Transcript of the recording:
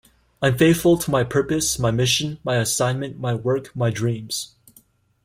I'm faithful to my purpose, my mission, my assignment, my work, my dreams.